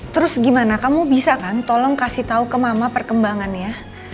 terus gimana kamu bisa kan tolong kasih tau ke mama perkembangan ya